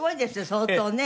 相当ね。